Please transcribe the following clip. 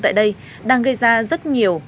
tại đây đang gây ra rất nhiều